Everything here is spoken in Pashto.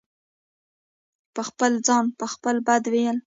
په خپل ځان په خپله بد وئيل